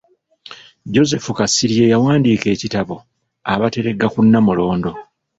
Joseph Kasirye yawandiika ekitabo “Abateregga ku Nnamulondo".